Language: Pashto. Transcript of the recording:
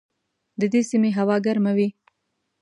د دې سیمې هوا ګرمه وي.